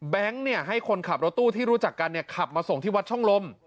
ให้คนขับรถตู้ที่รู้จักกันขับมาส่งที่วัดช่องลม